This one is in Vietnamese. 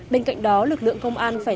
bên cạnh đó lực lượng công an phải